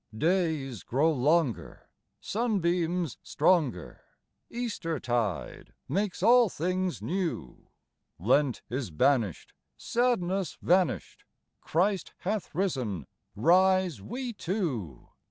Days grow longer, sunbeams stronger, Easter tide makes all things new ; Lent is banished, sadness vanished, Christ hath risen, rise we too.